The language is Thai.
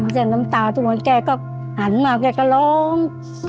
เห็นน้ำตาทุกวันแกก็หันมาแกก็ร้อง